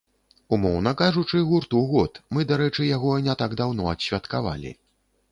Умоўна кажучы, гурту год, мы, дарэчы, яго не так даўно адсвяткавалі.